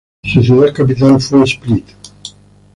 Su ciudad capital fue Split.